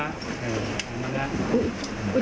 เห็นมั้งนะ